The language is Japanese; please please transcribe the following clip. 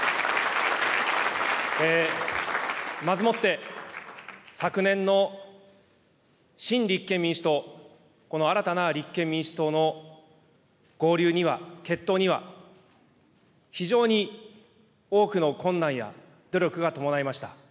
まずもって、昨年の新立憲民主党、この新たな立憲民主党の合流には結党には、非常に多くの困難や努力が伴いました。